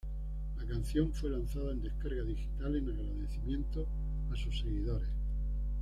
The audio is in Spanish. La canción fue lanzada en descarga digital en agradecimiento a sus seguidores.